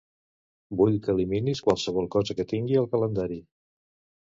Vull que eliminis qualsevol cosa que tingui al calendari.